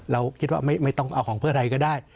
เราคิดว่าไม่ต้องเอาของเพื่อไทยก็ได้